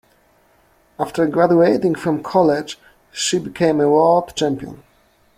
After graduating from college, she became a world champion.